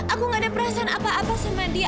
aku gak ada perasaan apa apa sama dia